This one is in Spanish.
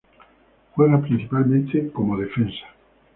Juega principalmente como defensa.